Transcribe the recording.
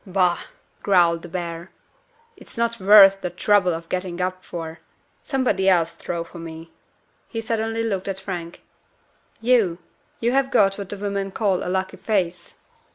"Bah!" growled the Bear. "It's not worth the trouble of getting up for. Somebody else throw for me." He suddenly looked at Frank. "You! you have got what the women call a lucky face."